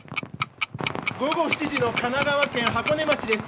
午後７時の神奈川県箱根町です。